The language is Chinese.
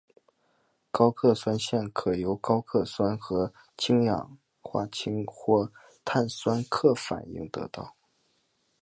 高氯酸镍可由高氯酸和氢氧化镍或碳酸镍反应得到。